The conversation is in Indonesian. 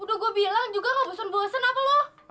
udah gue bilang juga gak bosan bosen apa lo